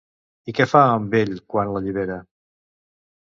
I què fa amb ell quan l'allibera?